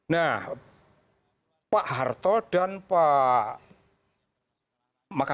nah pak harto dan pak makarim